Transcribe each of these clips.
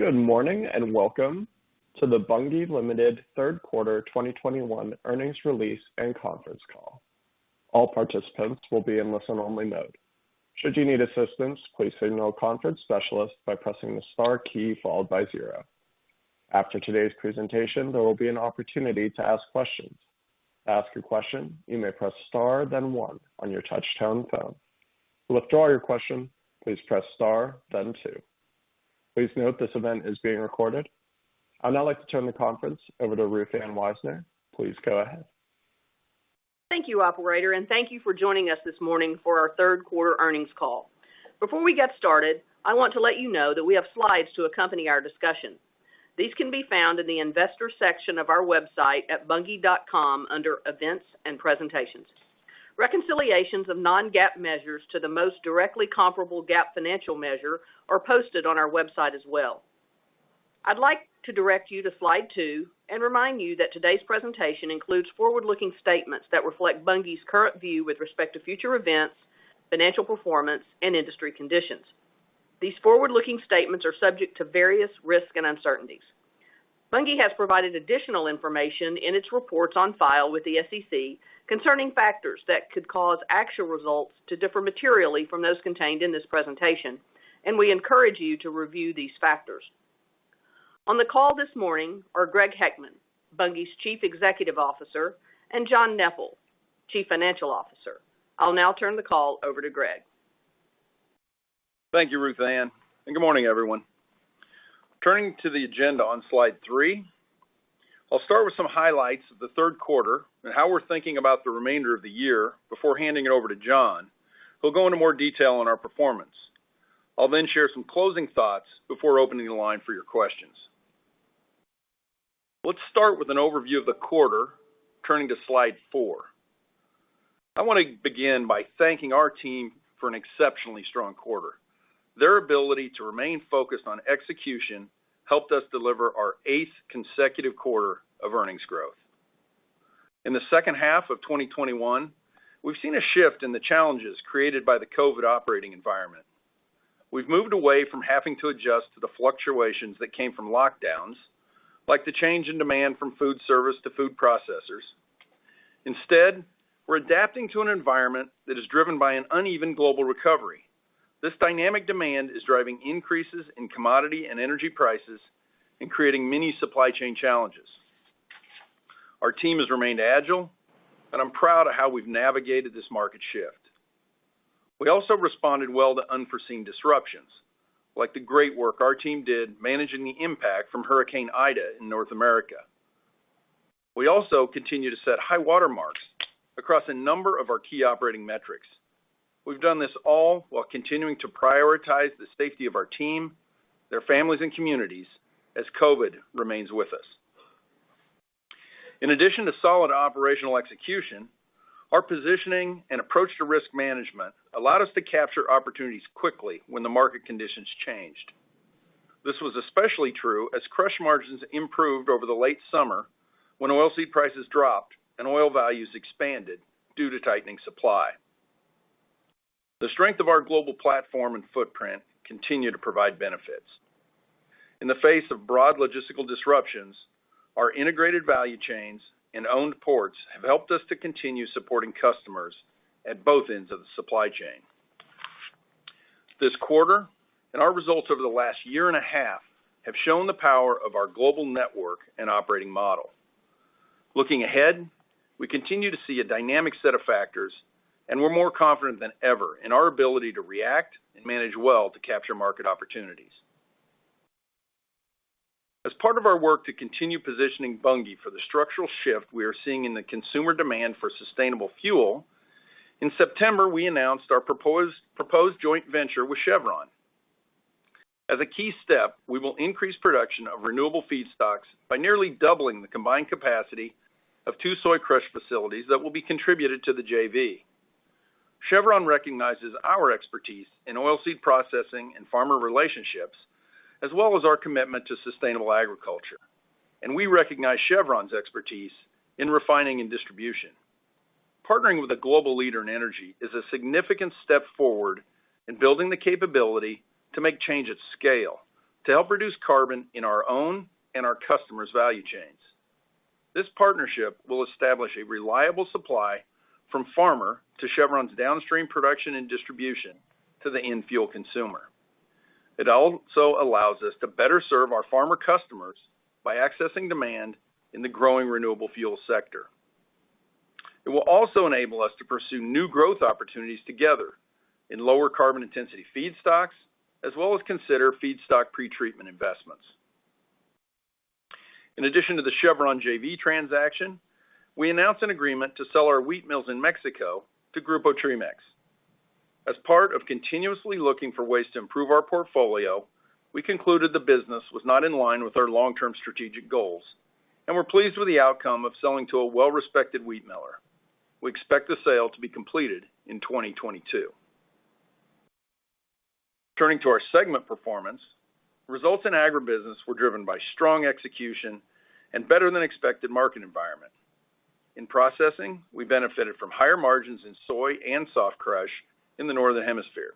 Good morning, and welcome to the Bunge Limited Q3 2021 earnings release and conference call. All participants will be in listen-only mode. Should you need assistance, please signal a conference specialist by pressing the star key followed by zero. After today's presentation, there will be an opportunity to ask questions. To ask a question, you may press star then one on your touchtone phone. To withdraw your question, please press star then two. Please note this event is being recorded. I'd now like to turn the conference over to Ruth Ann Wisener. Please go ahead. Thank you, operator, and thank you for joining us this morning for our Q3 earnings call. Before we get started, I want to let you know that we have slides to accompany our discussion. These can be found in the investor section of our website at bunge.com under Events and Presentations. Reconciliations of non-GAAP measures to the most directly comparable GAAP financial measure are posted on our website as well. I'd like to direct you to slide two and remind you that today's presentation includes forward-looking statements that reflect Bunge's current view with respect to future events, financial performance, and industry conditions. These forward-looking statements are subject to various risks and uncertainties. Bunge has provided additional information in its reports on file with the SEC concerning factors that could cause actual results to differ materially from those contained in this presentation, and we encourage you to review these factors. On the call this morning are Greg Heckman, Bunge's Chief Executive Officer, and John Neppl, Chief Financial Officer. I'll now turn the call over to Greg. Thank you, Ruth Ann, and good morning, everyone. Turning to the agenda on slide 3, I'll start with some highlights of the Q3 and how we're thinking about the remainder of the year before handing it over to John, who'll go into more detail on our performance. I'll then share some closing thoughts before opening the line for your questions. Let's start with an overview of the quarter, turning to slide 4. I wanna begin by thanking our team for an exceptionally strong quarter. Their ability to remain focused on execution helped us deliver our eighth consecutive quarter of earnings growth. In the H2 of 2021, we've seen a shift in the challenges created by the COVID operating environment. We've moved away from having to adjust to the fluctuations that came from lockdowns, like the change in demand from food service to food processors. Instead, we're adapting to an environment that is driven by an uneven global recovery. This dynamic demand is driving increases in commodity and energy prices and creating many supply chain challenges. Our team has remained agile, and I'm proud of how we've navigated this market shift. We also responded well to unforeseen disruptions, like the great work our team did managing the impact from Hurricane Ida in North America. We also continue to set high water marks across a number of our key operating metrics. We've done this all while continuing to prioritize the safety of our team, their families, and communities as COVID remains with us. In addition to solid operational execution, our positioning and approach to risk management allowed us to capture opportunities quickly when the market conditions changed. This was especially true as crush margins improved over the late summer when oilseed prices dropped and oil values expanded due to tightening supply. The strength of our global platform and footprint continue to provide benefits. In the face of broad logistical disruptions, our integrated value chains and owned ports have helped us to continue supporting customers at both ends of the supply chain. This quarter, and our results over the last year and a half, have shown the power of our global network and operating model. Looking ahead, we continue to see a dynamic set of factors, and we're more confident than ever in our ability to react and manage well to capture market opportunities. As part of our work to continue positioning Bunge for the structural shift we are seeing in the consumer demand for sustainable fuel, in September, we announced our proposed joint venture with Chevron. As a key step, we will increase production of renewable feedstocks by nearly doubling the combined capacity of two soy crush facilities that will be contributed to the JV. Chevron recognizes our expertise in oilseed processing and farmer relationships, as well as our commitment to sustainable agriculture, and we recognize Chevron's expertise in refining and distribution. Partnering with a global leader in energy is a significant step forward in building the capability to make change at scale to help reduce carbon in our own and our customers' value chains. This partnership will establish a reliable supply from farmer to Chevron's downstream production and distribution to the end fuel consumer. It also allows us to better serve our farmer customers by accessing demand in the growing renewable fuel sector. It will also enable us to pursue new growth opportunities together in lower carbon intensity feedstocks, as well as consider feedstock pretreatment investments. In addition to the Chevron JV transaction, we announced an agreement to sell our wheat mills in Mexico to Grupo Trimex. As part of continuously looking for ways to improve our portfolio, we concluded the business was not in line with our long-term strategic goals, and we're pleased with the outcome of selling to a well-respected wheat miller. We expect the sale to be completed in 2022. Turning to our segment performance, results in agribusiness were driven by strong execution and better than expected market environments. In processing, we benefited from higher margins in soy and soft crush in the Northern Hemisphere.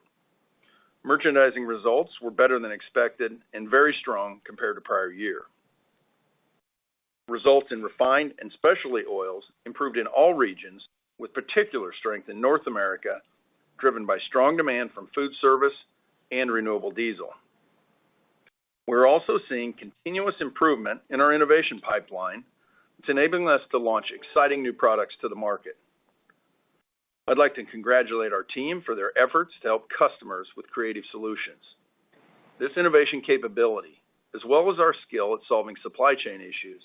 Merchandising results were better than expected and very strong compared to prior year. Results in refined and specialty oils improved in all regions with particular strength in North America, driven by strong demand from food service and renewable diesel. We're also seeing continuous improvement in our innovation pipeline. It's enabling us to launch exciting new products to the market. I'd like to congratulate our team for their efforts to help customers with creative solutions. This innovation capability, as well as our skill at solving supply chain issues,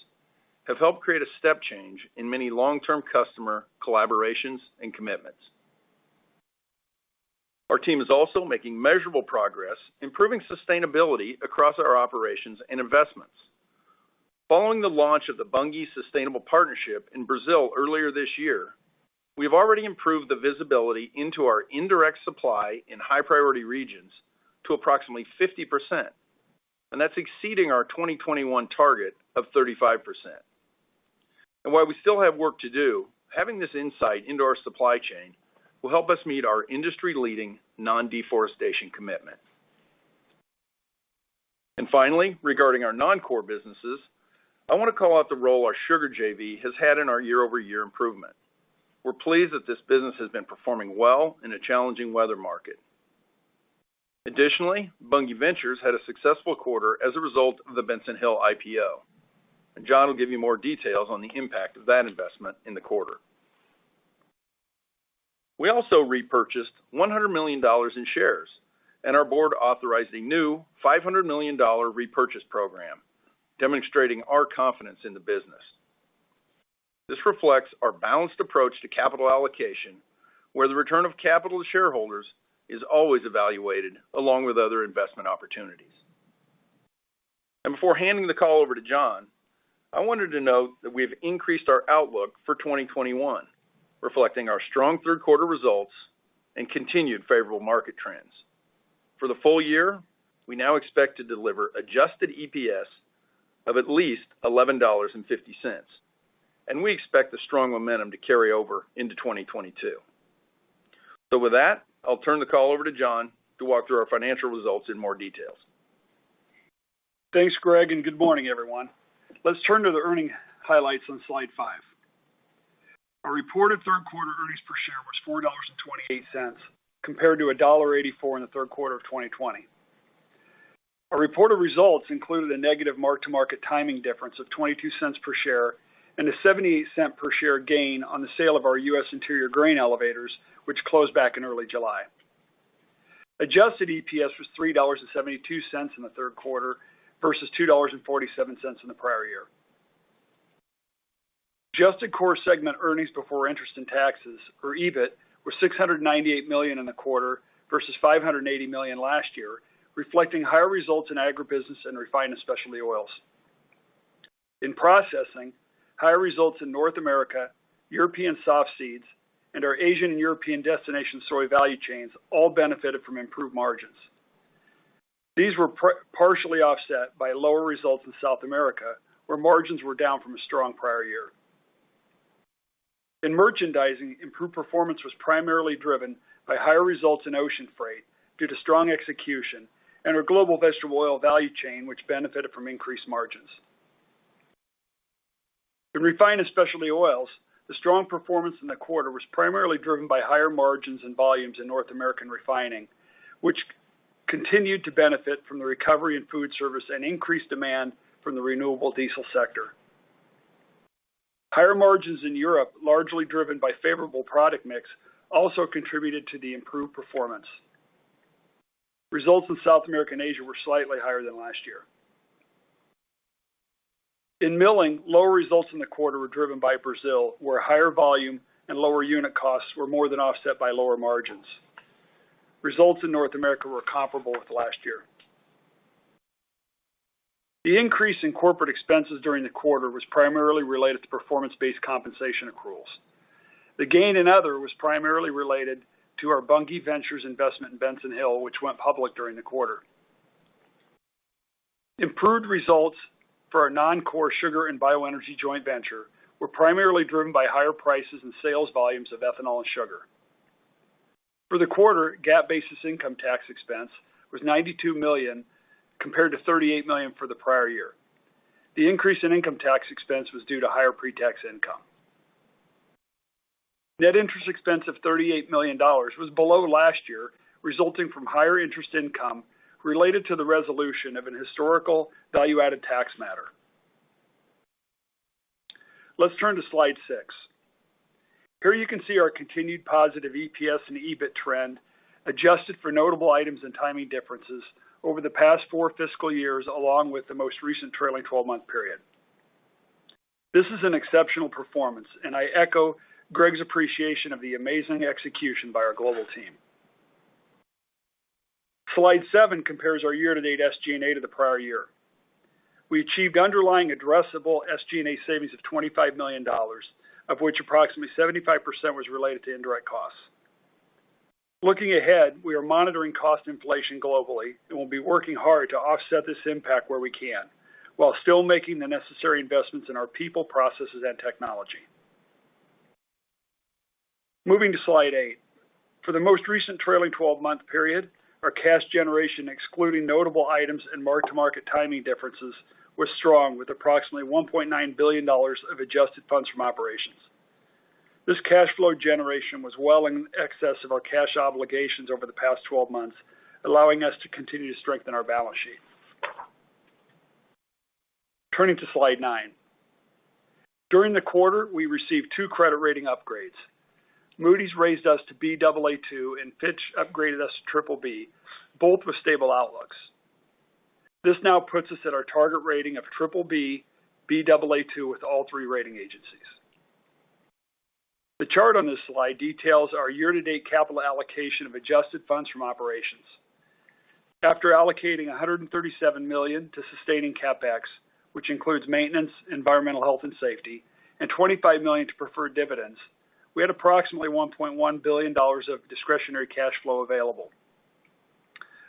have helped create a step change in many long-term customer collaborations and commitments. Our team is also making measurable progress, improving sustainability across our operations and investments. Following the launch of the Bunge Sustainable Partnership in Brazil earlier this year, we've already improved the visibility into our indirect supply in high-priority regions to approximately 50%, and that's exceeding our 2021 target of 35%. While we still have work to do, having this insight into our supply chain will help us meet our industry-leading non-deforestation commitment. Finally, regarding our non-core businesses, I wanna call out the role our sugar JV has had in our year-over-year improvement. We're pleased that this business has been performing well in a challenging weather market. Additionally, Bunge Ventures had a successful quarter as a result of the Benson Hill IPO. John will give you more details on the impact of that investment in the quarter. We also repurchased $100 million in shares, and our board authorized a new $500 million repurchase program, demonstrating our confidence in the business. This reflects our balanced approach to capital allocation, where the return of capital to shareholders is always evaluated along with other investment opportunities. Before handing the call over to John, I wanted to note that we have increased our outlook for 2021, reflecting our strong Q3 results and continued favorable market trends. For the full year, we now expect to deliver adjusted EPS of at least $11.50, and we expect the strong momentum to carry over into 2022. With that, I'll turn the call over to John to walk through our financial results in more details. Thanks, Greg, and good morning, everyone. Let's turn to the earnings highlights on slide 5. Our reported Q3 earnings per share was $4.28 compared to $1.84 in the Q3 of 2020. Our reported results included a negative mark-to-market timing difference of $0.22 per share and a $0.78 per share gain on the sale of our U.S. interior grain elevators, which closed back in early July. Adjusted EPS was $3.72 in the Q3 versus $2.47 in the prior year. Adjusted core segment earnings before interest and taxes, or EBIT, was $698 million in the quarter versus $580 million last year, reflecting higher results in agribusiness and refined and specialty oils. In processing, higher results in North America, European softseeds, and our Asian and European destination soy value chains all benefited from improved margins. These were partially offset by lower results in South America, where margins were down from a strong prior year. In merchandising, improved performance was primarily driven by higher results in ocean freight due to strong execution and our global vegetable oil value chain, which benefited from increased margins. In refined and specialty oils, the strong performance in the quarter was primarily driven by higher margins and volumes in North American refining, which continued to benefit from the recovery in food service and increased demand from the renewable diesel sector. Higher margins in Europe, largely driven by favorable product mix, also contributed to the improved performance. Results in South America and Asia were slightly higher than last year. In milling, lower results in the quarter were driven by Brazil, where higher volume and lower unit costs were more than offset by lower margins. Results in North America were comparable with last year. The increase in corporate expenses during the quarter was primarily related to performance-based compensation accruals. The gain in other was primarily related to our Bunge Ventures investment in Benson Hill, which went public during the quarter. Improved results for our non-core sugar and bioenergy joint venture were primarily driven by higher prices and sales volumes of ethanol and sugar. For the quarter, GAAP basis income tax expense was $92 million compared to $38 million for the prior year. The increase in income tax expense was due to higher pretax income. Net interest expense of $38 million was below last year, resulting from higher interest income related to the resolution of an historical value-added tax matter. Let's turn to slide 6. Here you can see our continued positive EPS and EBIT trend adjusted for notable items and timing differences over the past four fiscal years, along with the most recent trailing 12-month period. This is an exceptional performance, and I echo Greg's appreciation of the amazing execution by our global team. Slide 7 compares our year-to-date SG&A to the prior year. We achieved underlying addressable SG&A savings of $25 million, of which approximately 75% was related to indirect costs. Looking ahead, we are monitoring cost inflation globally, and we'll be working hard to offset this impact where we can, while still making the necessary investments in our people, processes, and technology. Moving to slide 8. For the most recent trailing 12-month period, our cash generation, excluding notable items and mark-to-market timing differences, was strong, with approximately $1.9 billion of adjusted funds from operations. This cash flow generation was well in excess of our cash obligations over the past 12 months, allowing us to continue to strengthen our balance sheet. Turning to slide 9. During the quarter, we received two credit rating upgrades. Moody's raised us to Baa2, and Fitch upgraded us to BBB, both with stable outlooks. This now puts us at our target rating of BBB, Baa2 with all three rating agencies. The chart on this slide details our year-to-date capital allocation of adjusted funds from operations. After allocating $137 million to sustaining CapEx, which includes maintenance, environmental health and safety, and $25 million to preferred dividends, we had approximately $1.1 billion of discretionary cash flow available.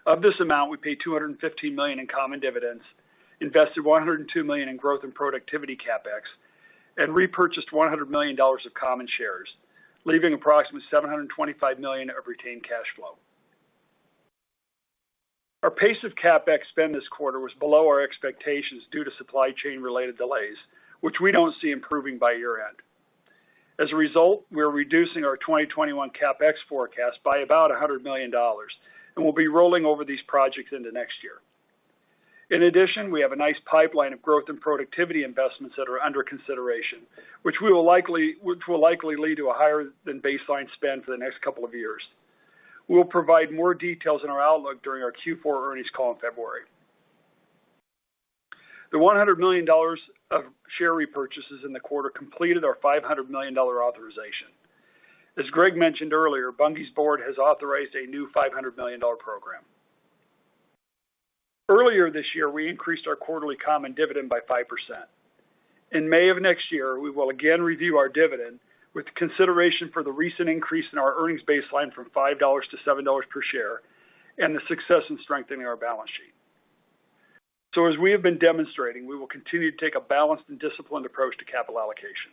Of this amount, we paid $215 million in common dividends, invested $102 million in growth and productivity CapEx, and repurchased $100 million of common shares, leaving approximately $725 million of retained cash flow. Our pace of CapEx spend this quarter was below our expectations due to supply chain related delays, which we don't see improving by year-end. As a result, we're reducing our 2021 CapEx forecast by about $100 million, and we'll be rolling over these projects into next year. In addition, we have a nice pipeline of growth and productivity investments that are under consideration, which will likely lead to a higher-than-baseline spend for the next couple of years. We'll provide more details on our outlook during our Q4 earnings call in February. The $100 million of share repurchases in the quarter completed our $500 million authorization. As Greg mentioned earlier, Bunge's board has authorized a new $500 million program. Earlier this year, we increased our quarterly common dividend by 5%. In May of next year, we will again review our dividend with consideration for the recent increase in our earnings baseline from $5 to $7 per share, and the success in strengthening our balance sheet. As we have been demonstrating, we will continue to take a balanced and disciplined approach to capital allocation.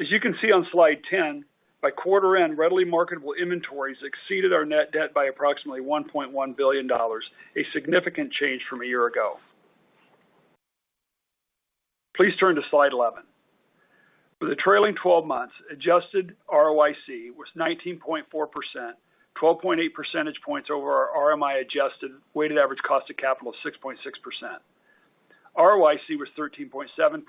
As you can see on slide 10, by quarter end, readily marketable inventories exceeded our net debt by approximately $1.1 billion, a significant change from a year ago. Please turn to slide 11. For the trailing twelve months, adjusted ROIC was 19.4%, 12.8 percentage points over our RMI-adjusted weighted average cost of capital of 6.6%. ROIC was 13.7%,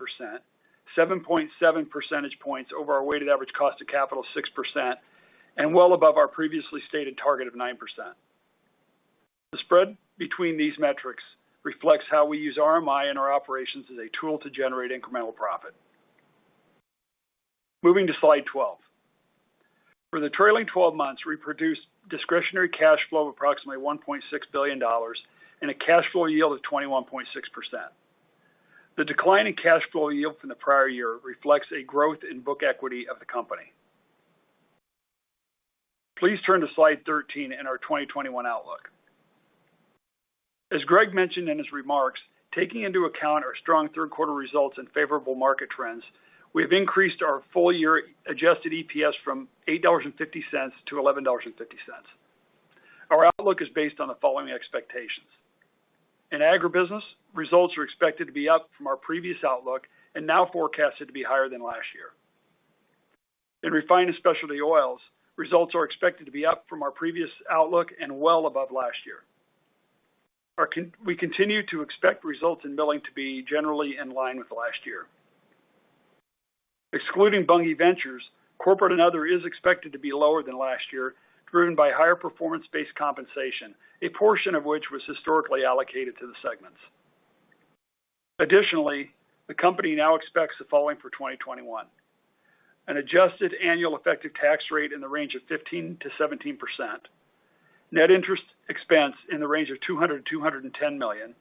7.7 percentage points over our weighted average cost of capital, 6%, and well above our previously stated target of 9%. The spread between these metrics reflects how we use RMI in our operations as a tool to generate incremental profit. Moving to slide 12. For the trailing twelve months, we produced discretionary cash flow of approximately $1.6 billion and a cash flow yield of 21.6%. The decline in cash flow yield from the prior year reflects a growth in book equity of the company. Please turn to slide 13 and our 2021 outlook. As Greg mentioned in his remarks, taking into account our strong Q3 results and favorable market trends, we have increased our full-year adjusted EPS from $8.50 to $11.50. Our outlook is based on the following expectations. In agribusiness, results are expected to be up from our previous outlook and now forecasted to be higher than last year. In refined and specialty oils, results are expected to be up from our previous outlook and well above last year. We continue to expect results in milling to be generally in line with last year. Excluding Bunge Ventures, corporate and other is expected to be lower than last year, driven by higher performance-based compensation, a portion of which was historically allocated to the segments. Additionally, the company now expects the following for 2021: an adjusted annual effective tax rate in the range of 15%-17%, net interest expense in the range of $200 million-$210 million,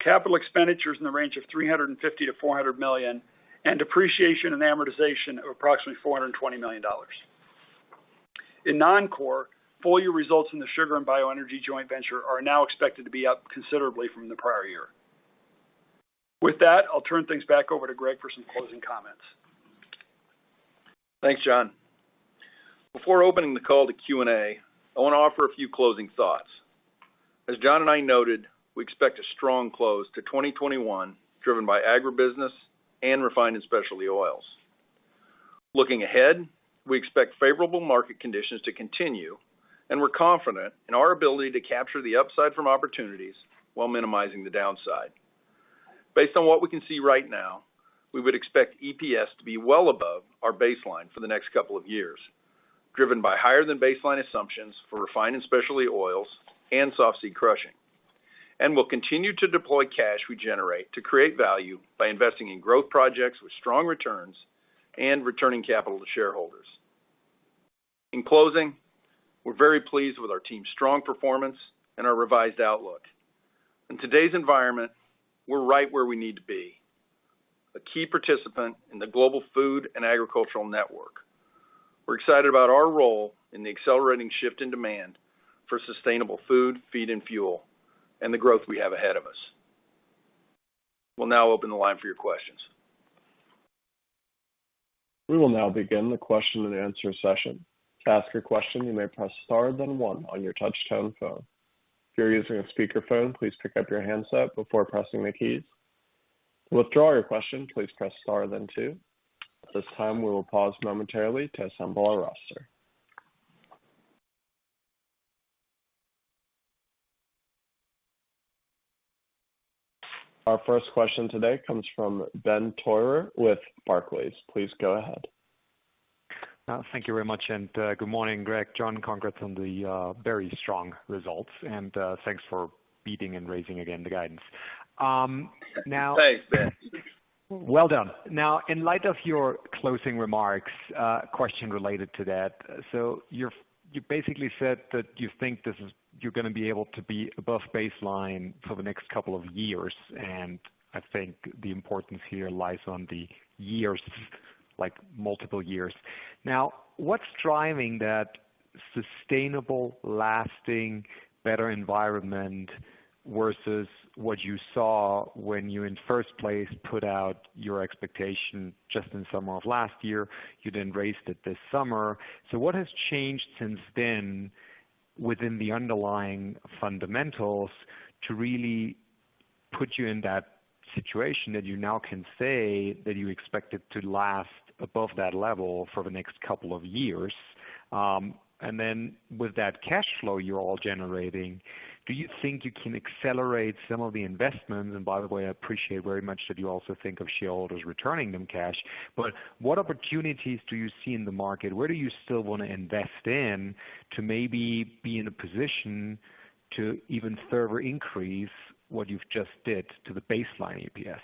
capital expenditures in the range of $350 million-$400 million, and depreciation and amortization of approximately $420 million. In non-core, full year results in the sugar and bioenergy joint venture are now expected to be up considerably from the prior year. With that, I'll turn things back over to Greg for some closing comments. Thanks, John. Before opening the call to Q&A, I wanna offer a few closing thoughts. As John and I noted, we expect a strong close to 2021, driven by agribusiness and refined and specialty oils. Looking ahead, we expect favorable market conditions to continue, and we're confident in our ability to capture the upside from opportunities while minimizing the downside. Based on what we can see right now, we would expect EPS to be well above our baseline for the next couple of years, driven by higher than baseline assumptions for refined and specialty oils and softseed crushing. We'll continue to deploy cash we generate to create value by investing in growth projects with strong returns and returning capital to shareholders. In closing, we're very pleased with our team's strong performance and our revised outlook. In today's environment, we're right where we need to be. A key participant in the global food and agricultural network. We're excited about our role in the accelerating shift in demand for sustainable food, feed, and fuel, and the growth we have ahead of us. We'll now open the line for your questions. We will now begin the question and answer session. To ask your question, you may press star then one on your touch-tone phone. If you're using a speakerphone, please pick up your handset before pressing the keys. To withdraw your question, please press star then two. At this time, we will pause momentarily to assemble our roster. Our first question today comes from Ben Theurer with Barclays. Please go ahead. Thank you very much. Good morning, Greg, John. Congrats on the very strong results. Thanks for beating and raising again the guidance. Now- Thanks, Ben. Well done. Now, in light of your closing remarks, question related to that. So you basically said that you think you're gonna be able to be above baseline for the next couple of years, and I think the importance here lies on the years, like multiple years. Now, what's driving that sustainable, lasting better environment versus what you saw when you, in first place, put out your expectation just in summer of last year, you then raised it this summer. So what has changed since then within the underlying fundamentals to really put you in that situation that you now can say that you expect it to last above that level for the next couple of years? And then with that cash flow you're all generating, do you think you can accelerate some of the investments? By the way, I appreciate very much that you also think of shareholders returning them cash. What opportunities do you see in the market? Where do you still wanna invest in to maybe be in a position to even further increase what you've just did to the baseline EPS?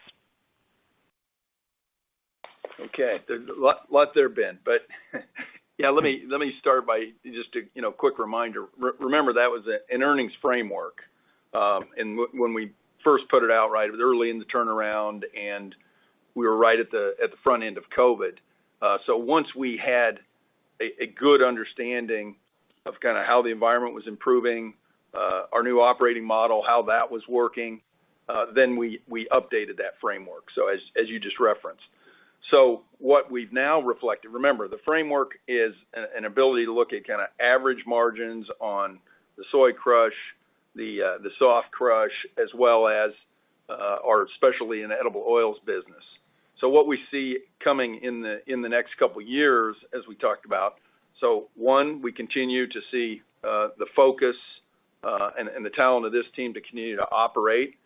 Okay. There's a lot there, Ben. Yeah, let me start by just, you know, a quick reminder. Remember that was an earnings framework. When we first put it out, right, it was early in the turnaround, and we were right at the front end of COVID. Once we had a good understanding of kind of how the environment was improving, our new operating model, how that was working, then we updated that framework, so as you just referenced. What we've now reflected. Remember, the framework is an ability to look at kind of average margins on the soy crush, the soft crush, as well as our specialty and edible oils business. What we see coming in the next couple years, as we talked about. One, we continue to see the focus and the talent of this team to continue to operate.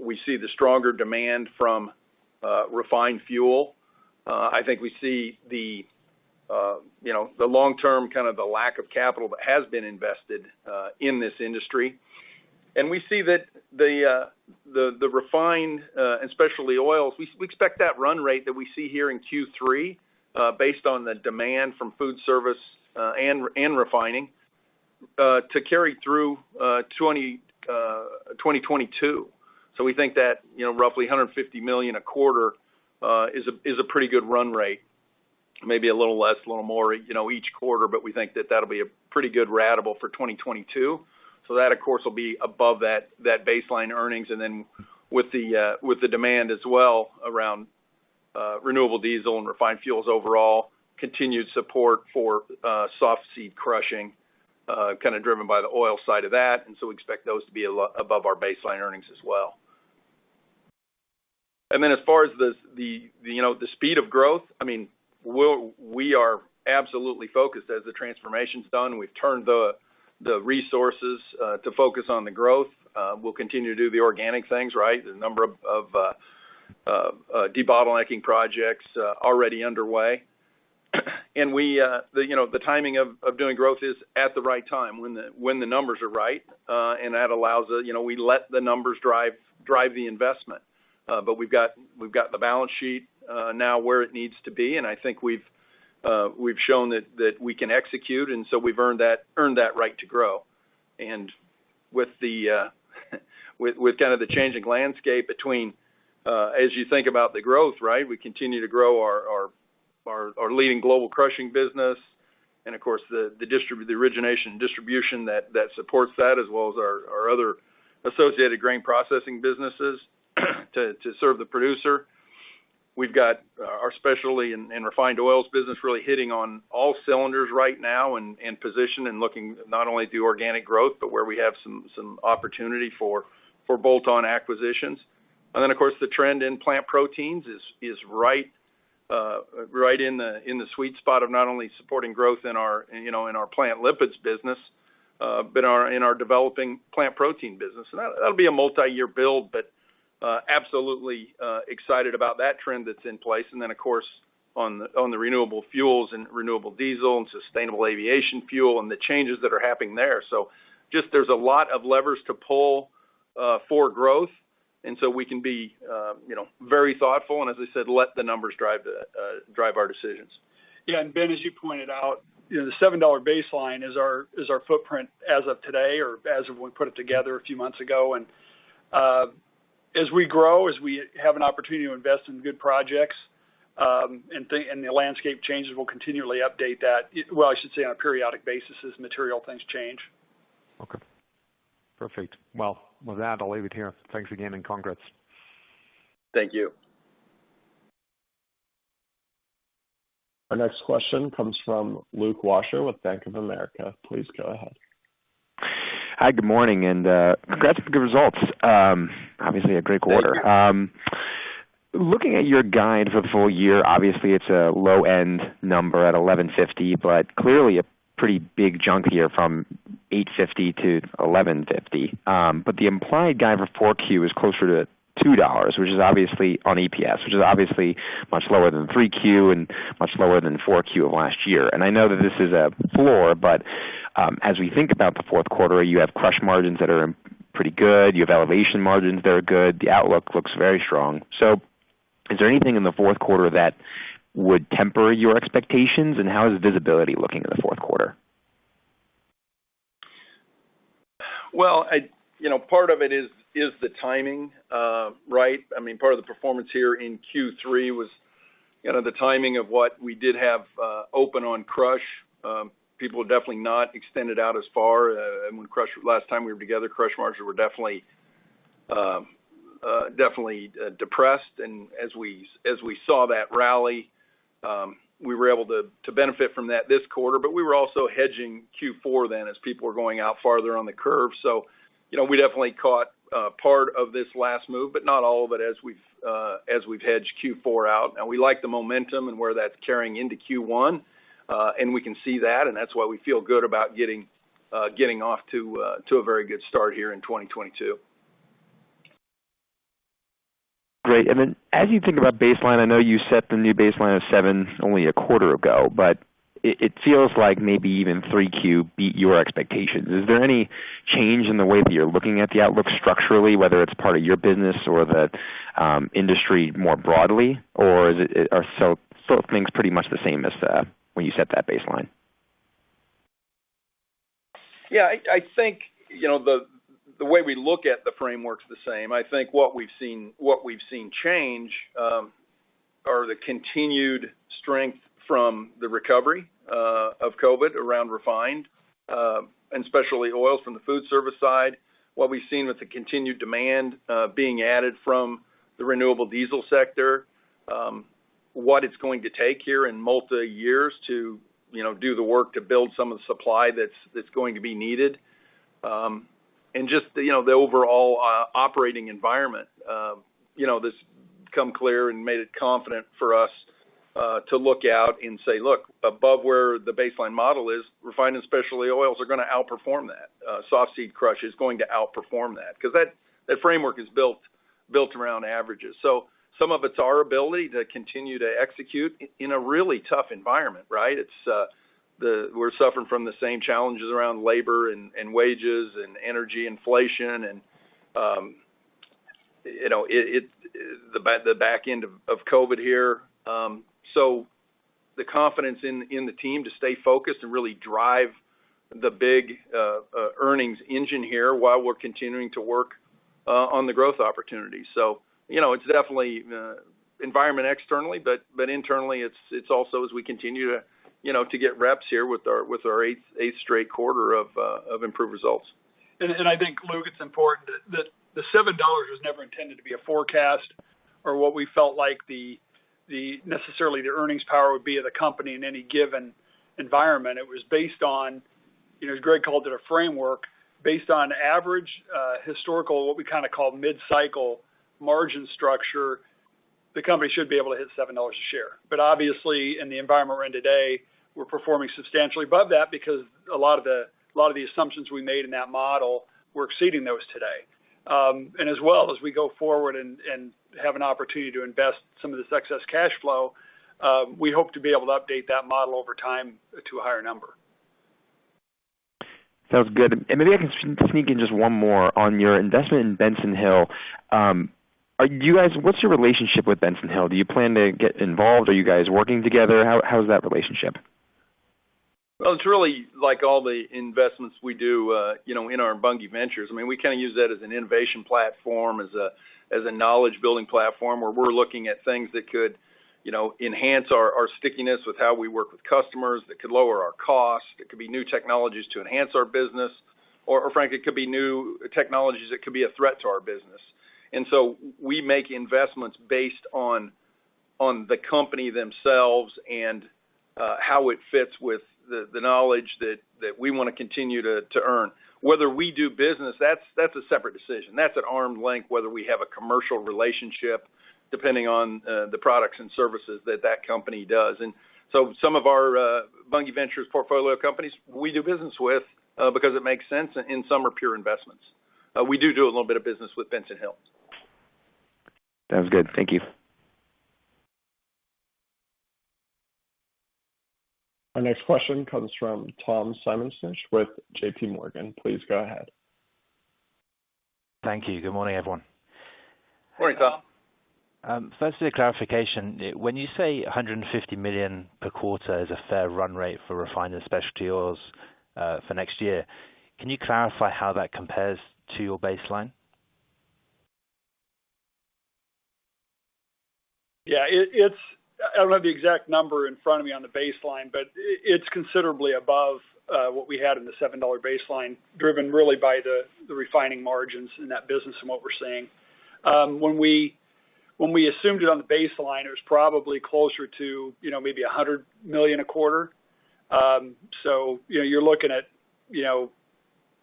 We see the stronger demand from refined fuel. I think we see the long term, kind of the lack of capital that has been invested in this industry. We see that the refined and specialty oils, we expect that run rate that we see here in Q3, based on the demand from food service and refining, to carry through 2022. We think that, you know, roughly $150 million a quarter is a pretty good run rate. Maybe a little less, a little more, you know, each quarter, but we think that that'll be a pretty good run rate for 2022. That, of course, will be above that baseline earnings. With the demand as well around renewable diesel and refined fuels overall, continued support for softseed crushing, kind of driven by the oil side of that. We expect those to be above our baseline earnings as well. As far as the you know, the speed of growth, I mean, we are absolutely focused as the transformation's done. We've turned the resources to focus on the growth. We'll continue to do the organic things, right? There's a number of debottlenecking projects already underway. We, you know, the timing of doing growth is at the right time when the numbers are right. That allows, you know, we let the numbers drive the investment. We've got the balance sheet now where it needs to be, and I think we've shown that we can execute, and so we've earned that right to grow. With kind of the changing landscape between, as you think about the growth, right? We continue to grow our leading global crushing business and of course, the origination and distribution that supports that as well as our other associated grain processing businesses to serve the producer. We've got our specialty and refined oils business really hitting on all cylinders right now and positioned and looking not only at the organic growth, but where we have some opportunity for bolt-on acquisitions. Of course, the trend in plant proteins is right in the sweet spot of not only supporting growth in our, you know, in our plant lipids business, but in our developing plant protein business. That'll be a multi-year build, but absolutely excited about that trend that's in place. Of course, on the renewable fuels and renewable diesel and sustainable aviation fuel and the changes that are happening there. Just there's a lot of levers to pull for growth, and we can be very thoughtful, and as I said, let the numbers drive our decisions. Yeah. Ben, as you pointed out, you know, the $7 baseline is our footprint as of today or as of when we put it together a few months ago. As we grow, as we have an opportunity to invest in good projects, and the landscape changes, we'll continually update that. Well, I should say on a periodic basis as material things change. Okay. Perfect. Well, with that, I'll leave it here. Thanks again, and congrats. Thank you. Our next question comes from Luke with Bank of America. Please go ahead. Hi, good morning, and congrats on the good results. Obviously a great quarter. Looking at your guide for the full year, obviously it's a low-end number at $11.50, but clearly a pretty big jump here from $8.50 to $11.50. The implied guide for 4Q is closer to $2, which is obviously on EPS, which is obviously much lower than 3Q and much lower than 4Q of last year. I know that this is a floor, but as we think about the Q4, you have crush margins that are pretty good. You have ag margins that are good. The outlook looks very strong. Is there anything in the Q4 that would temper your expectations? How is the visibility looking in the Q4? You know, part of it is the timing, right. I mean, part of the performance here in Q3 was, you know, the timing of what we did have open on crush. People were definitely not extended out as far, and last time we were together, crush margins were definitely depressed. As we saw that rally, we were able to benefit from that this quarter. We were also hedging Q4 then as people were going out farther on the curve. You know, we definitely caught part of this last move, but not all of it as we've hedged Q4 out. We like the momentum and where that's carrying into Q1. We can see that, and that's why we feel good about getting off to a very good start here in 2022. Great. Then as you think about baseline, I know you set the new baseline of 7 only a quarter ago, but it feels like maybe even 3Q beat your expectations. Is there any change in the way that you're looking at the outlook structurally, whether it's part of your business or the industry more broadly? Or are things pretty much the same as when you set that baseline? Yeah, I think, you know, the way we look at the framework's the same. I think what we've seen change are the continued strength from the recovery of COVID around refined and especially oil from the food service side. What we've seen with the continued demand being added from the renewable diesel sector, what it's going to take here in multi years to, you know, do the work to build some of the supply that's going to be needed. Just, you know, the overall operating environment, you know, that's become clear and made it confident for us to look out and say, "Look, above where the baseline model is, refined and specialty oils are gonna outperform that. Softseed crush is going to outperform that, 'cause that framework is built around averages. Some of it's our ability to continue to execute in a really tough environment, right? We're suffering from the same challenges around labor and wages and energy inflation and, you know, the back end of COVID here. The confidence in the team to stay focused and really drive the big earnings engine here while we're continuing to work on the growth opportunities. You know, it's definitely the environment externally, but internally it's also as we continue to, you know, get reps here with our eighth straight quarter of improved results. I think, Luke, it's important that the seven dollars was never intended to be a forecast or what we felt like the necessarily the earnings power would be of the company in any given environment. It was based on, you know, as Greg called it, a framework based on average historical, what we kind of call mid-cycle margin structure. The company should be able to hit $7 a share. Obviously in the environment we're in today, we're performing substantially above that because a lot of the assumptions we made in that model, we're exceeding those today. As well as we go forward and have an opportunity to invest some of this excess cash flow, we hope to be able to update that model over time to a higher number. Sounds good. Maybe I can sneak in just one more on your investment in Benson Hill. Are you guys? What's your relationship with Benson Hill? Do you plan to get involved? Are you guys working together? How is that relationship? Well, it's really like all the investments we do, you know, in our Bunge Ventures. I mean, we kind of use that as an innovation platform, a knowledge building platform where we're looking at things that could, you know, enhance our stickiness with how we work with customers, that could lower our costs. It could be new technologies to enhance our business or frankly, it could be new technologies that could be a threat to our business. We make investments based on the company themselves and how it fits with the knowledge that we wanna continue to earn. Whether we do business, that's a separate decision. That's at arm's length, whether we have a commercial relationship, depending on the products and services that company does. Some of our Bunge Ventures portfolio companies we do business with because it makes sense, and some are pure investments. We do a little bit of business with Benson Hill. Sounds good. Thank you. Our next question comes from Tom with JPMorgan. Please go ahead. Thank you. Good morning, everyone. Morning, Tom. Firstly, a clarification. When you say $150 million per quarter is a fair run rate for refiners specialty oils for next year, can you clarify how that compares to your baseline? Yeah. I don't have the exact number in front of me on the baseline, but it's considerably above what we had in the $7 baseline, driven really by the refining margins in that business from what we're seeing. When we assumed it on the baseline, it was probably closer to, you know, maybe $100 million a quarter. You're looking at, you know,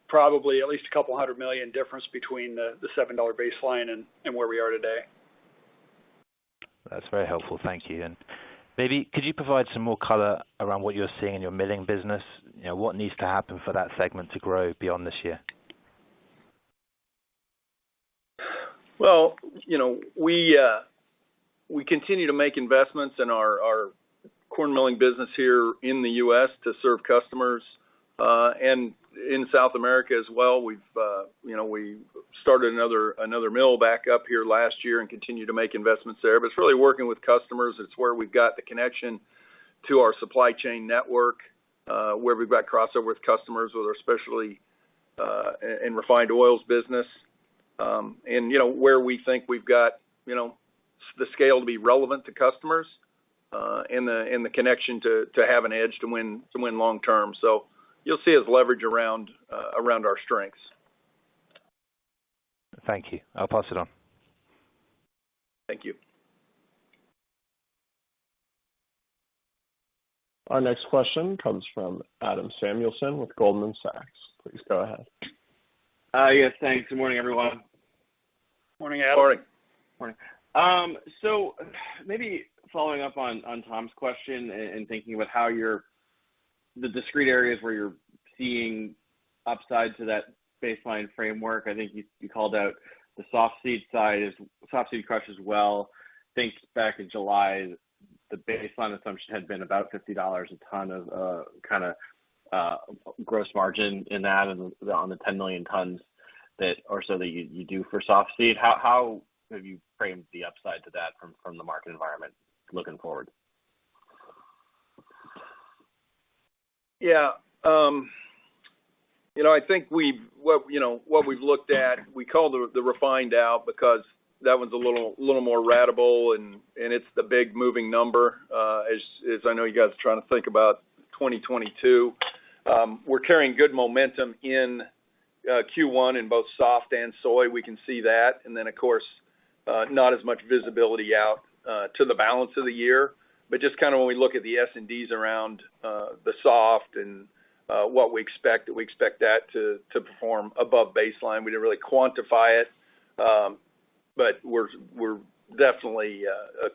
probably at least $200 million difference between the $7 baseline and where we are today. That's very helpful. Thank you. Maybe could you provide some more color around what you're seeing in your milling business? You know, what needs to happen for that segment to grow beyond this year? Well, you know, we continue to make investments in our corn milling business here in the U.S. to serve customers and in South America as well. You know, we started another mill back up here last year and continue to make investments there. But it's really working with customers. It's where we've got the connection to our supply chain network, where we've got crossover with customers, with our specialty and refined oils business. And, you know, where we think we've got, you know, the scale to be relevant to customers and the connection to have an edge to win long term. You'll see us leverage around our strengths. Thank you. I'll pass it on. Thank you. Our next question comes from Adam Samuelson with Goldman Sachs. Please go ahead. Hi. Yes, thanks. Good morning, everyone. Morning, Adam. Morning. Morning. Maybe following up on Tom's question and thinking about the discrete areas where you're seeing upside to that baseline framework. I think you called out the softseed side, softseed crush, as well. I think back in July, the baseline assumption had been about $50 a ton of gross margin in that and on the 10 million tons that you do for softseed. How have you framed the upside to that from the market environment looking forward? Yeah. You know, I think what we've looked at, we call the refined out because that's a little more ratable and it's the big moving number, as I know you guys are trying to think about 2022. We're carrying good momentum in Q1 in both soft and soy. We can see that. Then, of course, not as much visibility out to the balance of the year. Just kind of when we look at the S&Ds around the soft and what we expect, we expect that to perform above baseline. We didn't really quantify it, but we're definitely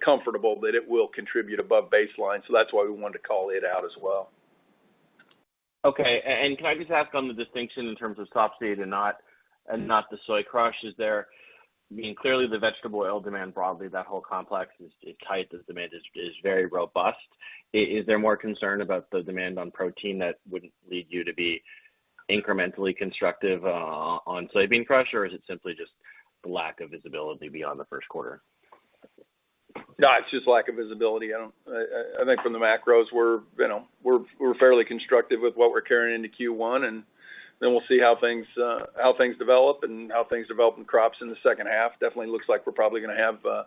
comfortable that it will contribute above baseline, so that's why we wanted to call it out as well. Okay. Can I just ask on the distinction in terms of softseed and not the soy crush? I mean, clearly the vegetable oil demand, broadly, that whole complex is tight as demand is very robust. Is there more concern about the demand on protein that wouldn't lead you to be incrementally constructive on soybean crush, or is it simply just lack of visibility beyond the Q1? No, it's just lack of visibility. I think from the macros, we're fairly constructive with what we're carrying into Q1, and then we'll see how things develop in crops in the H2. Definitely looks like we're probably gonna have to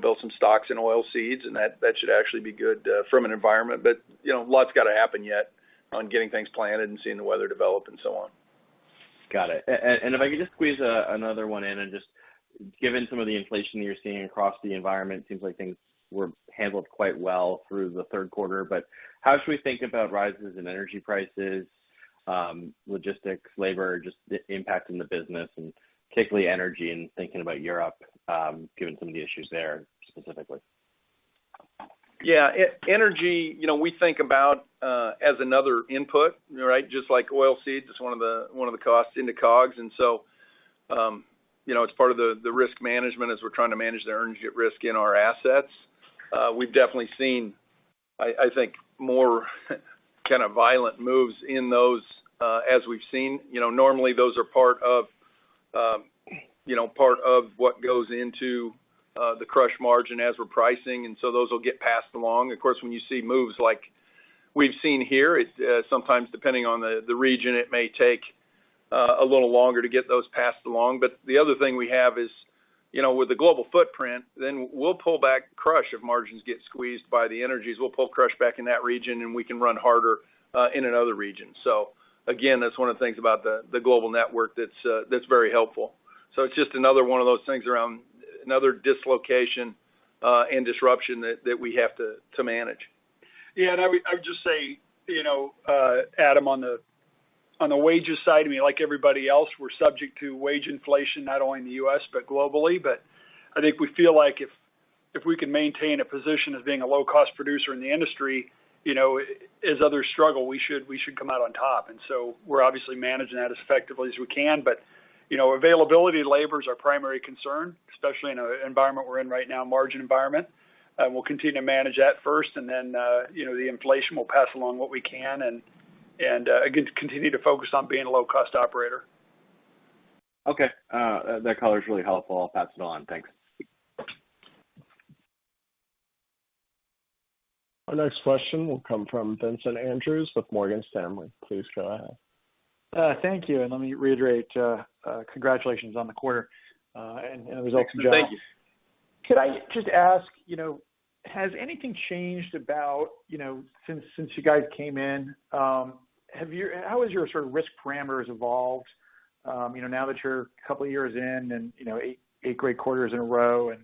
build some stocks in oilseeds, and that should actually be good from an environment. A lot's gotta happen yet on getting things planted and seeing the weather develop and so on. Got it. If I could just squeeze another one in, just given some of the inflation you're seeing across the environment, it seems like things were handled quite well through the Q3. How should we think about rises in energy prices, logistics, labor, just the impact in the business, and particularly energy and thinking about Europe, given some of the issues there specifically? Yeah. Energy, you know, we think about as another input, right? Just like oilseeds, it's one of the costs in the COGS. You know, it's part of the risk management as we're trying to manage the energy at risk in our assets. We've definitely seen, I think, more kind of violent moves in those as we've seen. You know, normally those are part of what goes into the crush margin as we're pricing, and so those will get passed along. Of course, when you see moves like we've seen here, it sometimes depending on the region, it may take a little longer to get those passed along. The other thing we have is, you know, with the global footprint, then we'll pull back crush if margins get squeezed by the energies. We'll pull crush back in that region, and we can run harder in another region. Again, that's one of the things about the global network that's very helpful. It's just another one of those things around another dislocation and disruption that we have to manage. Yeah. I would just say, you know, Adam, on the wages side, I mean, like everybody else, we're subject to wage inflation, not only in the U.S., but globally. But I think we feel like if we can maintain a position as being a low cost producer in the industry, you know, as others struggle, we should come out on top. So we're obviously managing that as effectively as we can. But, you know, availability of labor is our primary concern, especially in the environment we're in right now, margin environment. We'll continue to manage that first, and then, you know, the inflation will pass along what we can and again, to continue to focus on being a low cost operator. Okay. That color is really helpful. I'll pass it on. Thanks. Our next question will come from Vincent Andrews with Morgan Stanley. Please go ahead. Thank you, and let me reiterate, congratulations on the quarter, and the results in general. Thank you. Could I just ask, you know, has anything changed about, you know, since you guys came in, how has your sort of risk parameters evolved, you know, now that you're a couple of years in and, you know, eight great quarters in a row and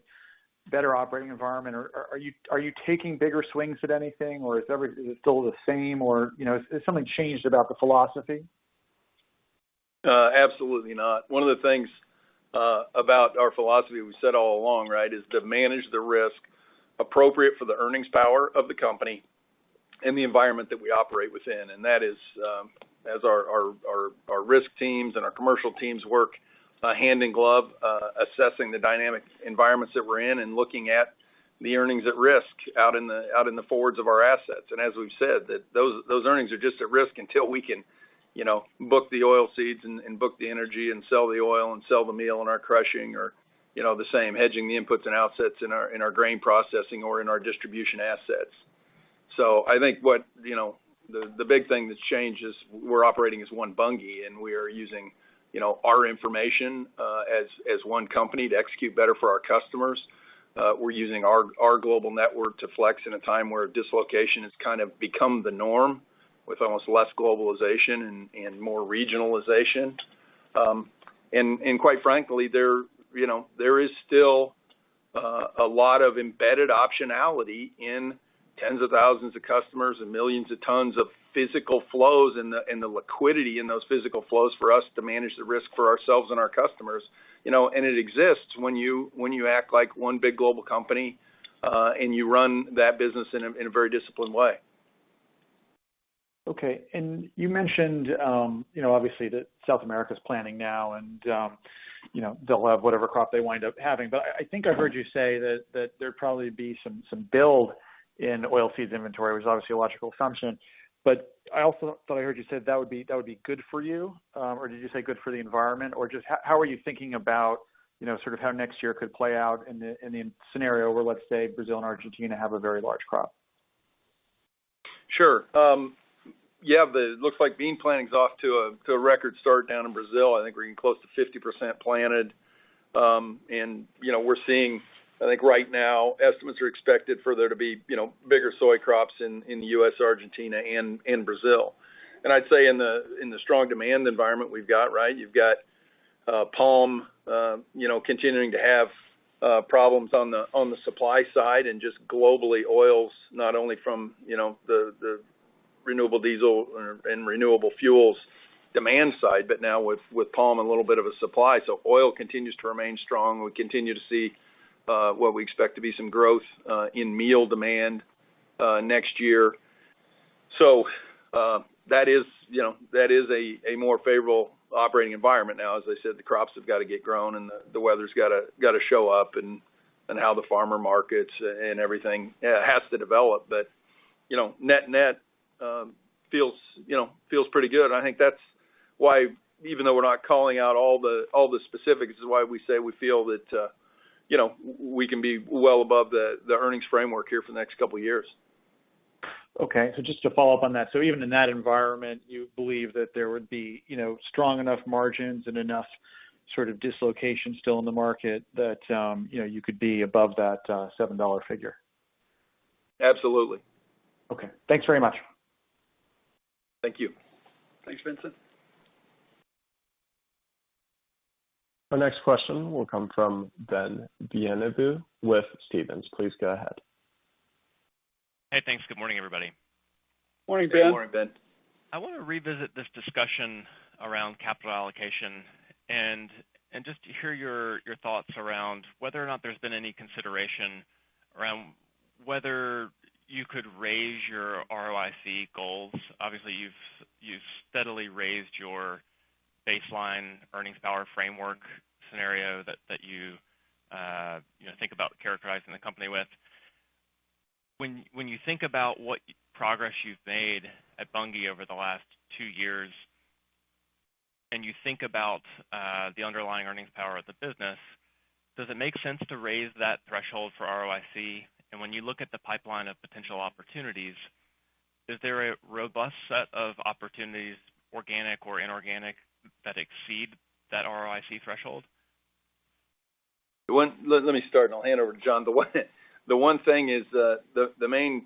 better operating environment, are you taking bigger swings at anything or is it still the same or, you know, has something changed about the philosophy? Absolutely not. One of the things about our philosophy we've said all along, right, is to manage the risk appropriate for the earnings power of the company and the environment that we operate within. That is, as our risk teams and our commercial teams work hand in glove, assessing the dynamic environments that we're in and looking at the earnings at risk out in the forwards of our assets. As we've said that those earnings are just at risk until we can, you know, book the oilseeds and book the energy and sell the oil and sell the meal in our crushing or, you know, the same hedging the inputs and outputs in our grain processing or in our distribution assets. I think you know, the big thing that's changed is we're operating as one Bunge, and we are using you know, our information as one company to execute better for our customers. We're using our global network to flex in a time where dislocation has kind of become the norm with almost less globalization and more regionalization. Quite frankly, you know, there is still a lot of embedded optionality in tens of thousands of customers and millions of tons of physical flows and the liquidity in those physical flows for us to manage the risk for ourselves and our customers. You know, it exists when you act like one big global company and you run that business in a very disciplined way. Okay. You mentioned, you know, obviously that South America is planning now and, you know, they'll have whatever crop they wind up having. I think I heard you say that there'd probably be some build in oilseeds inventory, which is obviously a logical assumption. I also thought I heard you said that would be good for you. Or did you say good for the environment? Or just how are you thinking about, you know, sort of how next year could play out in the scenario where let's say Brazil and Argentina have a very large crop? Sure. Yeah, it looks like bean planting is off to a record start down in Brazil. I think we're getting close to 50% planted. You know, we're seeing. I think right now estimates are expected for there to be, you know, bigger soy crops in the U.S., Argentina, and in Brazil. I'd say in the strong demand environment we've got, right. You've got palm, you know, continuing to have problems on the supply side and just globally oils not only from, you know, the renewable diesel and renewable fuels demand side, but now with palm a little bit of a supply. Oil continues to remain strong. We continue to see what we expect to be some growth in meal demand next year. That is, you know, that is a more favorable operating environment now. As I said, the crops have got to get grown and the weather's got to show up and how the farmer markets and everything has to develop. You know, net-net, feels, you know, pretty good. I think that's why even though we're not calling out all the specifics is why we say we feel that, you know, we can be well above the earnings framework here for the next couple of years. Okay. Just to follow up on that. Even in that environment, you believe that there would be, you know, strong enough margins and enough sort of dislocation still in the market that, you know, you could be above that, $7 figure? Absolutely. Okay. Thanks very much. Thank you. Thanks, Vincent. Our next question will come from Ben Bienvenu with Stephens. Please go ahead. Hey, thanks. Good morning, everybody. Morning, Ben. Good morning, Ben. I want to revisit this discussion around capital allocation and just to hear your thoughts around whether or not there's been any consideration around whether you could raise your ROIC goals. Obviously, you've steadily raised your baseline earnings power framework scenario that you know think about characterizing the company with. When you think about what progress you've made at Bunge over the last two years, and you think about the underlying earnings power of the business, does it make sense to raise that threshold for ROIC? When you look at the pipeline of potential opportunities, is there a robust set of opportunities, organic or inorganic, that exceed that ROIC threshold? Let me start, and I'll hand over to John. The one thing is the main,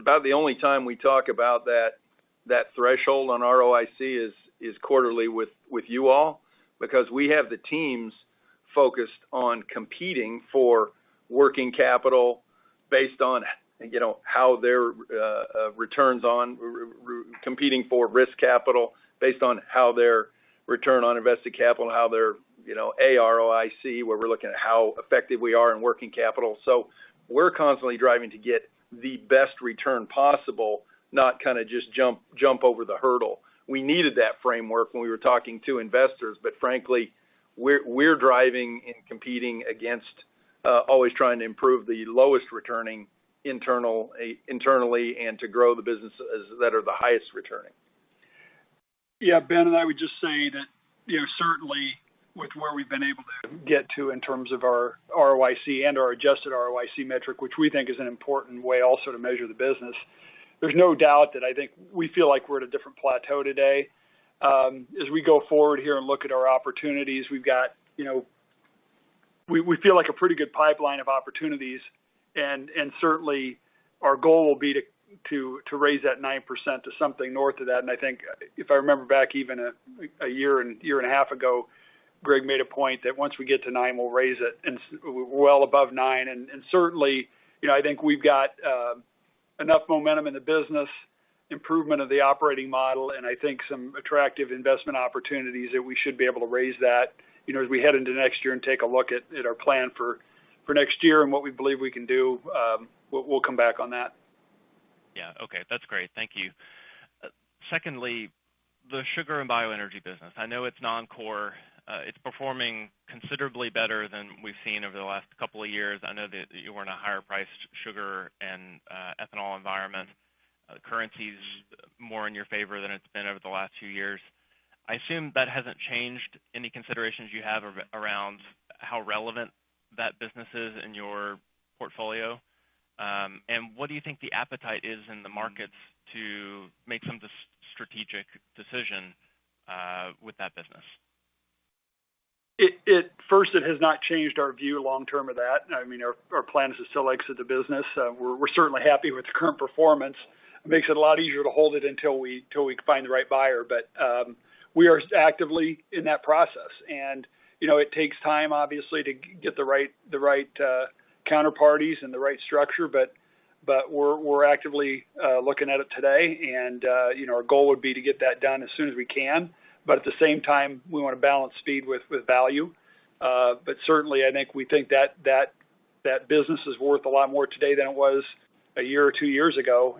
about the only time we talk about that threshold on ROIC is quarterly with you all because we have the teams focused on competing for working capital based on, you know, how they're competing for risk capital based on how their return on invested capital and how their, you know, AROIC, where we're looking at how effective we are in working capital. We're constantly driving to get the best return possible, not kind of just jump over the hurdle. We needed that framework when we were talking to investors, but frankly, we're driving and competing against always trying to improve the lowest returning internally and to grow the businesses that are the highest returning. Yeah, Ben, I would just say that, you know, certainly with where we've been able to get to in terms of our ROIC and our adjusted ROIC metric, which we think is an important way also to measure the business. There's no doubt that I think we feel like we're at a different plateau today. As we go forward here and look at our opportunities, we've got, you know. We feel like a pretty good pipeline of opportunities. Certainly our goal will be to raise that 9% to something north of that. I think if I remember back even a year and a half ago, Greg made a point that once we get to nine, we'll raise it, and we're well above nine. Certainly, you know, I think we've got enough momentum in the business, improvement of the operating model, and I think some attractive investment opportunities that we should be able to raise that. You know, as we head into next year and take a look at our plan for next year and what we believe we can do, we'll come back on that. Yeah. Okay, that's great. Thank you. Secondly, the sugar and bioenergy business. I know it's non-core. It's performing considerably better than we've seen over the last couple of years. I know that you were in a higher priced sugar and ethanol environment. Currency's more in your favor than it's been over the last few years. I assume that hasn't changed any considerations you have around how relevant that business is in your portfolio. And what do you think the appetite is in the markets to make some of the strategic decision with that business? First, it has not changed our view long term of that. I mean, our plan is to sell or exit the business. We're certainly happy with the current performance. It makes it a lot easier to hold it until we can find the right buyer. We are actively in that process. You know, it takes time, obviously, to get the right counterparties and the right structure. We're actively looking at it today. You know, our goal would be to get that done as soon as we can. At the same time, we wanna balance speed with value. Certainly I think we think that business is worth a lot more today than it was a year or two years ago.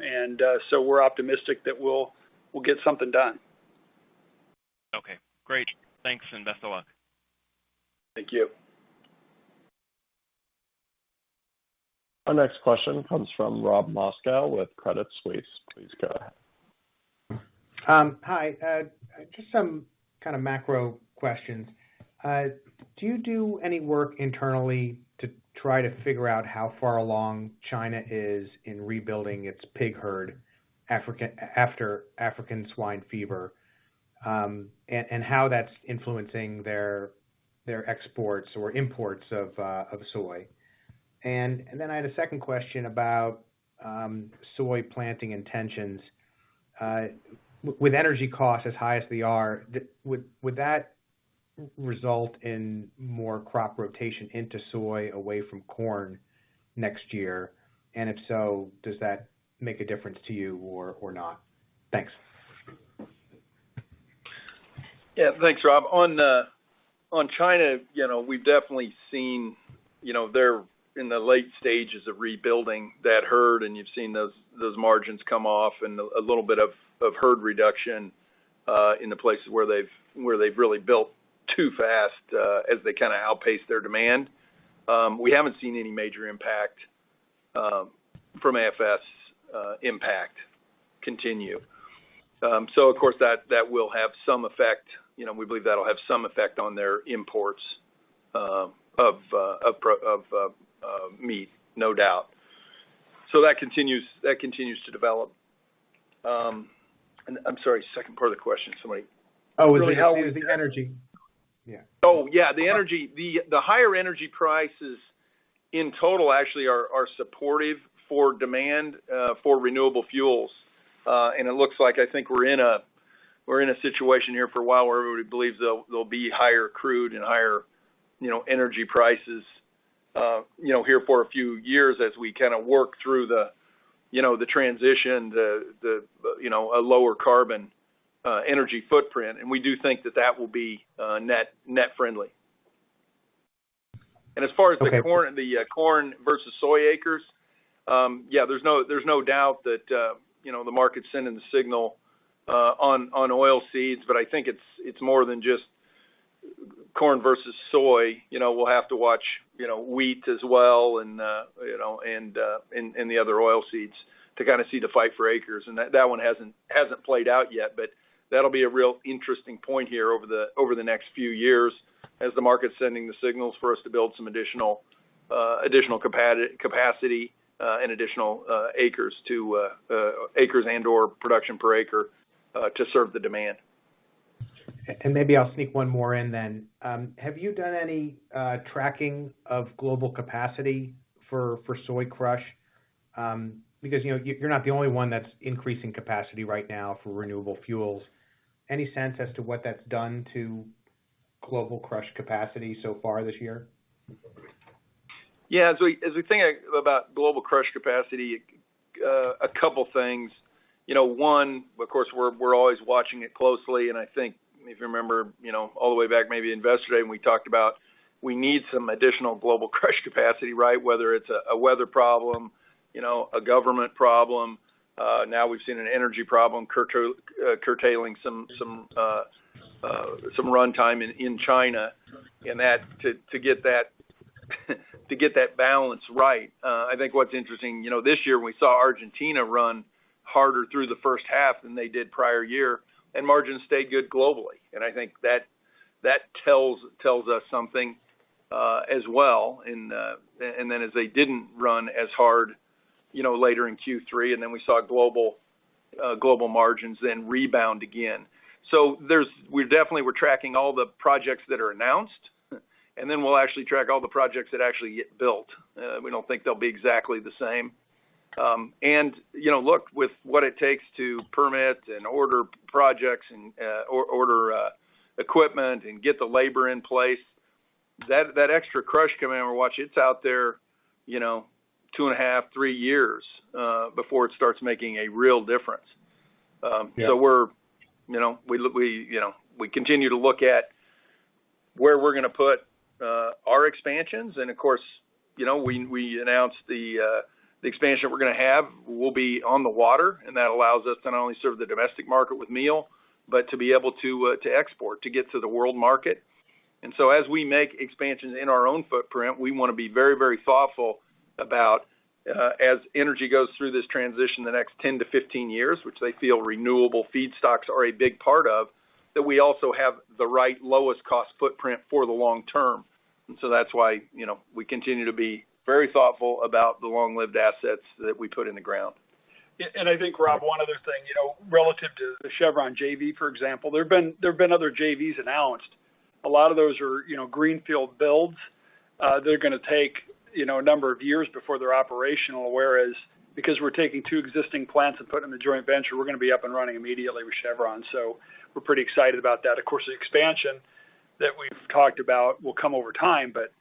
We're optimistic that we'll get something done. Okay, great. Thanks, and best of luck. Thank you. Our next question comes from Rob Moskow with Credit Suisse. Please go ahead. Hi. Just some kind of macro questions. Do you do any work internally to try to figure out how far along China is in rebuilding its pig herd after African swine fever, and how that's influencing their exports or imports of soy? I had a second question about soy planting intentions. With energy costs as high as they are, would that result in more crop rotation into soy away from corn next year? If so, does that make a difference to you or not? Thanks. Yeah. Thanks, Rob. On China, you know, we've definitely seen, you know, they're in the late stages of rebuilding that herd, and you've seen those margins come off and a little bit of herd reduction in the places where they've really built too fast as they kinda outpace their demand. We haven't seen any major impact from ASF. Impact continues. So of course, that will have some effect. You know, we believe that'll have some effect on their imports of meat, no doubt. So that continues to develop. I'm sorry, second part of the question, somebody- Oh, how was the energy? Yeah. Oh, yeah. The higher energy prices in total actually are supportive for demand for renewable fuels. It looks like, I think we're in a situation here for a while where we believe there'll be higher crude and higher energy prices, you know, here for a few years as we kinda work through the transition, you know, to a lower carbon energy footprint. We do think that that will be net friendly. Okay. As far as the corn, the corn versus soy acres, yeah, there's no doubt that, you know, the market's sending the signal on oil seeds. But I think it's more than just corn versus soy. You know, we'll have to watch, you know, wheat as well and the other oil seeds to kinda see the fight for acres. That one hasn't played out yet. But that'll be a real interesting point here over the next few years as the market's sending the signals for us to build some additional capacity and additional acres and/or production per acre to serve the demand. Maybe I'll sneak one more in then. Have you done any tracking of global capacity for soy crush? Because, you know, you're not the only one that's increasing capacity right now for renewable fuels. Any sense as to what that's done to global crush capacity so far this year? Yeah. As we think about global crush capacity, a couple things. You know, one, of course, we're always watching it closely, and I think if you remember, you know, all the way back, maybe Investor Day, when we talked about we need some additional global crush capacity, right? Whether it's a weather problem, you know, a government problem. Now we've seen an energy problem curtailing some run time in China to get that balance right. I think what's interesting, you know, this year we saw Argentina run harder through the H1 than they did prior year, and margins stayed good globally. I think that tells us something, as well. They didn't run as hard, you know, later in Q3, and then we saw global margins then rebound again. We're definitely tracking all the projects that are announced, and then we'll actually track all the projects that actually get built. We don't think they'll be exactly the same. You know, look, with what it takes to permit and order projects and order equipment and get the labor in place, that extra crush capacity we're watching, it's out there, you know, 2.5-3 years before it starts making a real difference. Yeah. We're, you know, continuing to look at where we're gonna put our expansions. Of course, you know, we announced the expansion we're gonna have will be on the water, and that allows us to not only serve the domestic market with meal, but to be able to export, to get to the world market. As we make expansions in our own footprint, we wanna be very, very thoughtful about as energy goes through this transition in the next 10-15 years, which they feel renewable feedstocks are a big part of, that we also have the right lowest cost footprint for the long term. That's why, you know, we continue to be very thoughtful about the long-lived assets that we put in the ground. Yeah. I think, Rob, one other thing, you know, relative to the Chevron JV, for example, there have been other JVs announced. A lot of those are, you know, greenfield builds. They're gonna take, you know, a number of years before they're operational, whereas because we're taking two existing plants and putting them in a joint venture, we're gonna be up and running immediately with Chevron. We're pretty excited about that. Of course, the expansion that we've talked about will come over time, but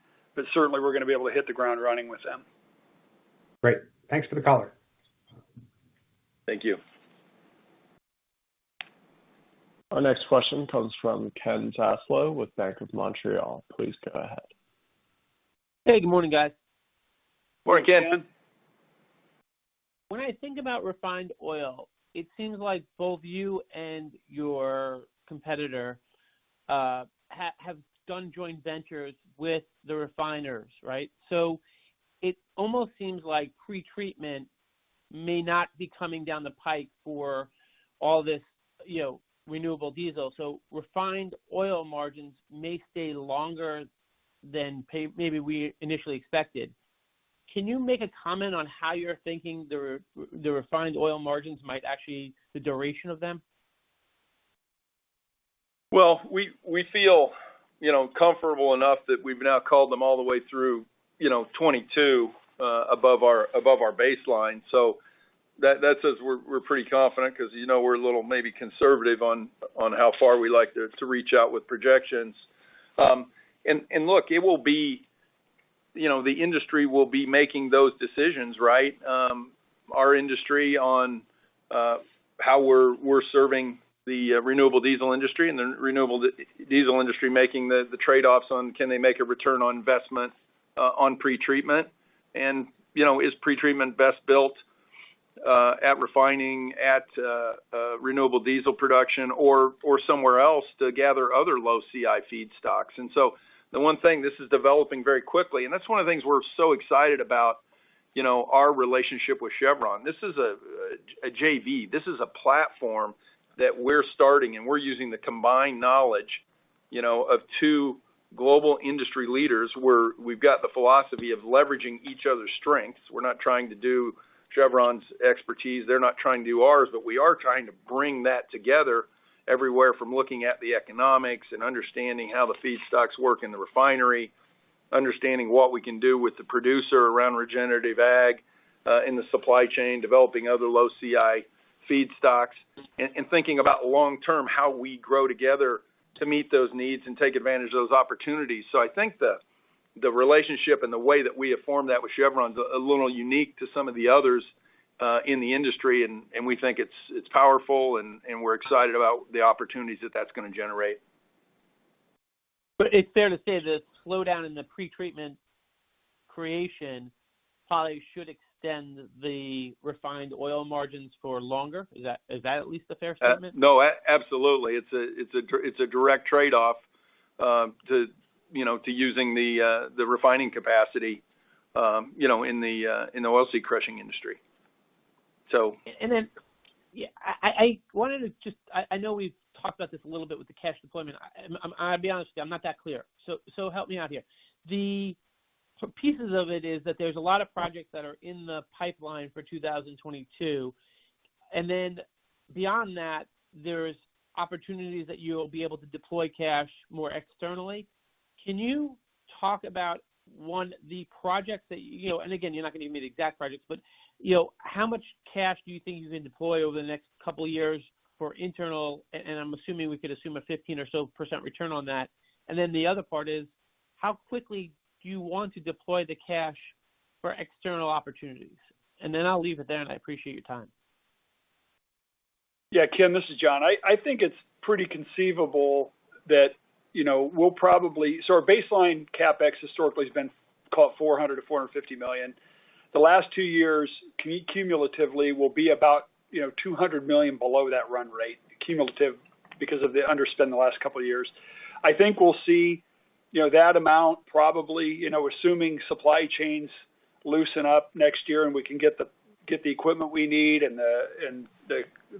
certainly we're gonna be able to hit the ground running with them. Great. Thanks for the color. Thank you. Our next question comes from Ken Zaslow with Bank of Montreal. Please go ahead. Hey, Good morning, guys. Morning, Ken. Morning, Ken. When I think about refined oil, it seems like both you and your competitor have done joint ventures with the refiners, right? It almost seems like pretreatment may not be coming down the pipe for all this, you know, renewable diesel. Refined oil margins may stay longer than perhaps we initially expected. Can you make a comment on how you're thinking the refined oil margins might actually the duration of them? Well, we feel, you know, comfortable enough that we've now called them all the way through, you know, 2022, above our baseline. That says we're pretty confident 'cause, you know, we're a little maybe conservative on how far we like to reach out with projections. Look, it will be you know the industry will be making those decisions, right? Our industry on how we're serving the renewable diesel industry and the renewable diesel industry making the trade-offs on can they make a return on investment on pretreatment. You know, is pretreatment best built at refining at renewable diesel production or somewhere else to gather other low CI feedstocks. The one thing, this is developing very quickly, and that's one of the things we're so excited about, you know, our relationship with Chevron. This is a JV. This is a platform that we're starting, and we're using the combined knowledge, you know, of two global industry leaders, where we've got the philosophy of leveraging each other's strengths. We're not trying to do Chevron's expertise, they're not trying to do ours, but we are trying to bring that together everywhere from looking at the economics and understanding how the feedstocks work in the refinery. Understanding what we can do with the producer around regenerative agriculture in the supply chain, developing other low CI feedstocks, and thinking about long-term, how we grow together to meet those needs and take advantage of those opportunities. I think the relationship and the way that we have formed that with Chevron is a little unique to some of the others, in the industry, and we think it's powerful and we're excited about the opportunities that that's gonna generate. It's fair to say the slowdown in the pretreatment creation probably should extend the refined oil margins for longer. Is that at least a fair statement? No. Absolutely. It's a direct trade-off, you know, to using the refining capacity, you know, in the oilseed crushing industry. Yeah. I wanted—I know we've talked about this a little bit with the cash deployment. I'm—if I'm being honest with you, I'm not that clear. So help me out here. The pieces of it is that there's a lot of projects that are in the pipeline for 2022, and then beyond that, there's opportunities that you'll be able to deploy cash more externally. Can you talk about, one, the projects that, you know and again, you're not gonna give me the exact projects, but, you know, how much cash do you think you can deploy over the next couple of years for internal? And I'm assuming we could assume a 15% or so return on that. And then the other part is, how quickly do you want to deploy the cash for external opportunities? I'll leave it there, and I appreciate your time. Yeah. Ken, this is John. I think it's pretty conceivable that, you know, we'll probably our baseline CapEx historically has been call it $400 million-$450 million. The last two years cumulatively will be about, you know, $200 million below that run rate cumulative because of the underspend the last couple of years. I think we'll see, you know, that amount probably, you know, assuming supply chains loosen up next year and we can get the equipment we need and the, and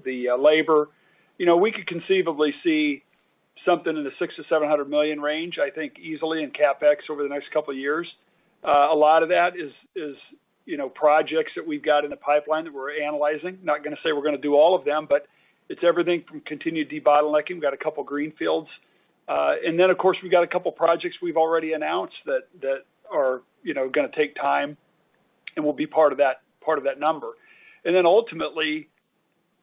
the labor. You know, we could conceivably see something in the $600 million-$700 million range, I think easily in CapEx over the next couple of years. A lot of that is, you know, projects that we've got in the pipeline that we're analyzing. Not gonna say we're gonna do all of them, but it's everything from continued debottlenecking. We've got a couple of greenfields. Of course, we've got a couple of projects we've already announced that are, you know, gonna take time and will be part of that number. Ultimately,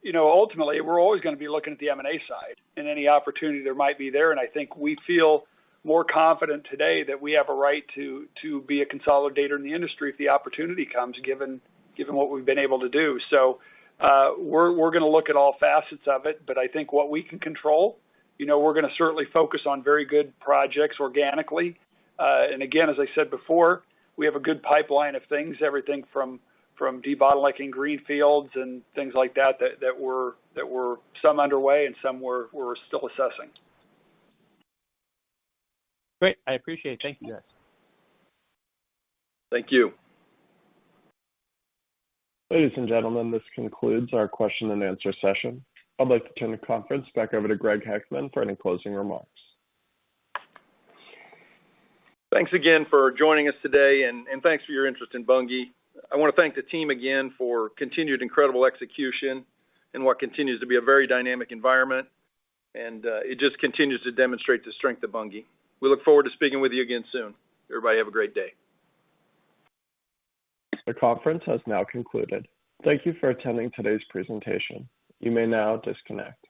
you know, we're always gonna be looking at the M&A side and any opportunity there might be there. I think we feel more confident today that we have a right to be a consolidator in the industry if the opportunity comes, given what we've been able to do. We're gonna look at all facets of it, but I think what we can control, you know, we're gonna certainly focus on very good projects organically. again, as I said before, we have a good pipeline of things, everything from debottlenecking greenfields and things like that we're some underway and some we're still assessing. Great. I appreciate it. Thank you, guys. Thank you. Ladies and gentlemen, this concludes our question and answer session. I'd like to turn the conference back over to Greg Heckman for any closing remarks. Thanks again for joining us today, and thanks for your interest in Bunge. I wanna thank the team again for continued incredible execution in what continues to be a very dynamic environment, and it just continues to demonstrate the strength of Bunge. We look forward to speaking with you again soon. Everybody have a great day. The conference has now concluded. Thank you for attending today's presentation. You may now disconnect.